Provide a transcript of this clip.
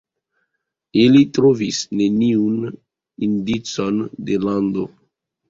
Ili trovis neniun indicon de lando.